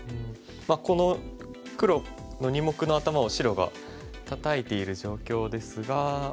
この黒の２目の頭を白がタタいている状況ですが。